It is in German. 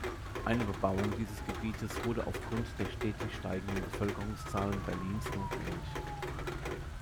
Eine Bebauung dieses Gebietes wurde auf Grund der stetig steigenden Bevölkerungszahlen Berlins notwendig.